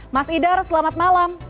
mas idhar selamat malam